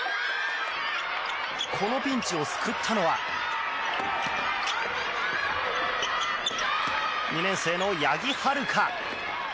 このピンチを救ったのは２年生の八木悠香。